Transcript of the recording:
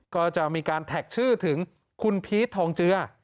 ก็จะมีการแท็กชื่อถึงคุณพีชทองเจือ